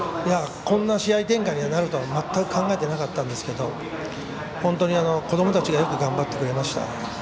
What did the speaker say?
こんな試合展開になるとは全く考えていなかったですが本当に子どもたちがよく頑張ってくれました。